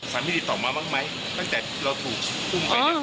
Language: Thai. สามีติดต่อมาบ้างไหมตั้งแต่เราถูกอุ้มไป